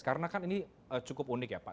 karena kan ini cukup unik ya pak